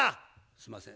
すんません。